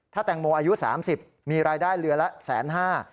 ถ้าแตงโมอายุ๓๐มีรายได้เหลือละ๑๕๐๐๐๐บาท